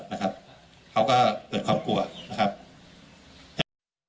เขาก็เกิดความกลัว